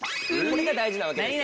これが大事なわけです。